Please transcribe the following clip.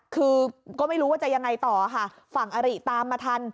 คือก็ไม่รู้ว่าจะยังไงต่อค่ะฝั่งอริตามมาทัน